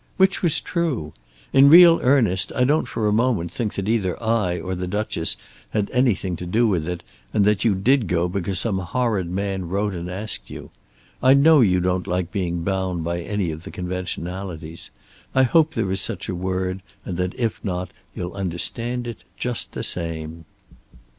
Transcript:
Which was true? In real earnest I don't for a moment think that either I or the Duchess had anything to do with it, and that you did go because some horrid man wrote and asked you. I know you don't like being bound by any of the conventionalities. I hope there is such a word, and that if not, you'll understand it just the same.